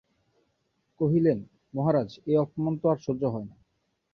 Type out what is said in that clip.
কহিলেন, মহারাজ, এ অপমান তো আর সহ্য হয় না।